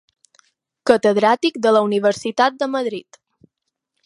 Catedràtic de la Universitat de Madrid.